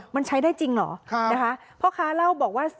มันใช้ได้จริงเหรอนะคะพ่อค้าเล่าบอกว่า